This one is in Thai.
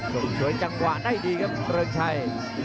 ส่งสวยจังหวะได้ดีครับเริงชัย